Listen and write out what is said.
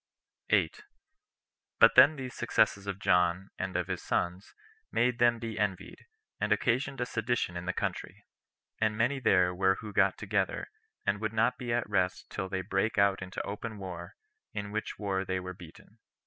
8. But then these successes of John and of his sons made them be envied, and occasioned a sedition in the country; and many there were who got together, and would not be at rest till they brake out into open war, in which war they were beaten.